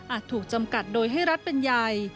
ถูกจำกัดโดยให้รัฐเป็นใหญ่